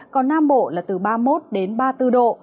còn nam bộ là từ ba mươi một đến ba mươi bốn độ